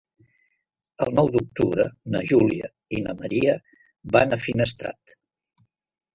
El nou d'octubre na Júlia i na Maria van a Finestrat.